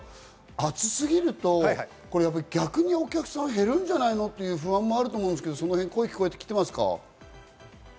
暑すぎると逆にお客さん減るんじゃないの？という不安もあると思うんですけど、そういう声は聞こえていますか？